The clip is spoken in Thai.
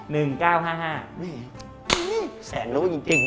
นี่แสนรู้จริง